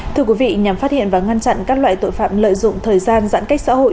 thưa quý vị nhằm phát hiện và ngăn chặn các loại tội phạm lợi dụng thời gian giãn cách xã hội